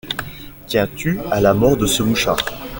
Tiens-tu à la mort de ce mouchard?